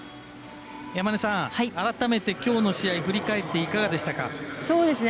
山根さん、改めてきょうの試合振り返っていかがでしたか？